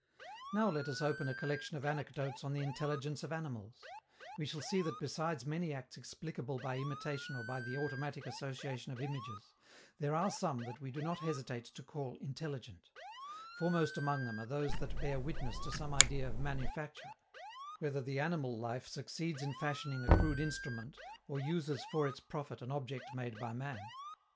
Now let us open a collection of anecdotes on the intelligence of animals: we shall see that besides many acts explicable by imitation or by the automatic association of images, there are some that we do not hesitate to call intelligent: foremost among them are those that bear witness to some idea of manufacture, whether the animal life succeeds in fashioning a crude instrument or uses for its profit an object made by man.